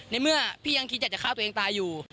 ในเมื่อพี่ยังคิดอยากจะฆ่าตัวเองตายอยู่